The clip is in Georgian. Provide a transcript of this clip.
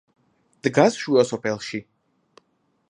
დგას შუა სოფელში.